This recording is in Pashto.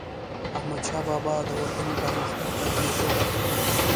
احمدشاه بابا به د وطن پرمختګ ته لومړیتوب ورکاوه.